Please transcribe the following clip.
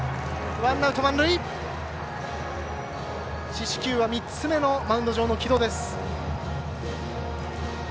四死球は３つ目のマウンド上の城戸。